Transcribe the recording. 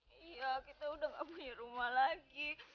iya kita udah gak punya rumah lagi